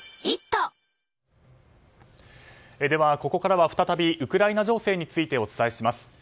では、ここからは再びウクライナ情勢についてお伝えします。